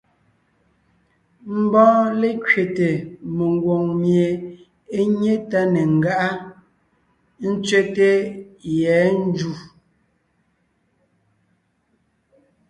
Mbɔɔ lékẅéte mengwòŋ mie é nyé tá ne ńgáʼa, ńtsẅɛ́te yɛ̌ njǔ.